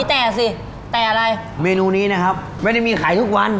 แต่สิแต่อะไรเมนูนี้นะครับไม่ได้มีขายทุกวัน